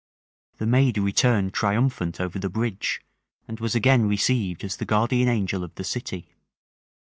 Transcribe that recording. The maid returned triumphant over the bridge, and was again received as the guardian angel of the city.